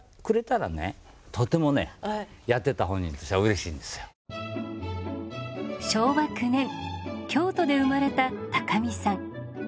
転がりましたね昭和９年京都で生まれた高見さん。